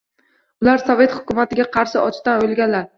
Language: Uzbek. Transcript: — Ular... sovet hukumatiga qarshi ochdan o‘lganlar!